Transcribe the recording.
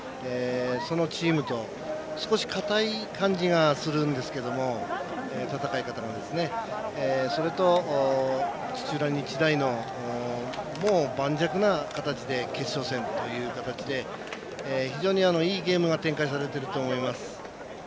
そのチームと少しかたい感じがするんですけど戦い方がですねそれと土浦日大の盤石な形で決勝戦ということで非常にいいゲームが展開されていると思います。